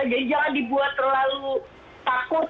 jadi jangan dibuat terlalu takut